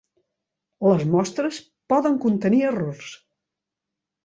Les mostres poden contenir errors.